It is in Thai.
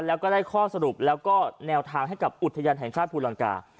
แล้วก็ได้ข้อสรุปแล้วก็แนวทางให้กับอุทยานแห่งชาติภูลังกา